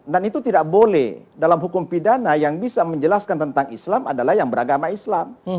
dan itu tidak boleh dalam hukum pidana yang bisa menjelaskan tentang islam adalah yang beragama islam